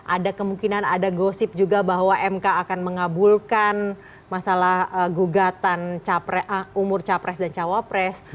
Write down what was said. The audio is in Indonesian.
ada kemungkinan ada gosip juga bahwa mk akan mengabulkan masalah gugatan umur capres dan cawapres